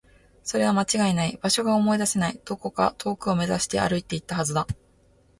それは間違いない。場所が思い出せない。どこか遠くを目指して歩いていったはずだ。